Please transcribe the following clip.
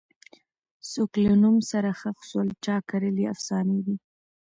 څوک له نومه سره ښخ سول چا کرلي افسانې دي